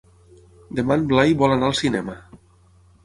Demà en Blai vol anar al cinema.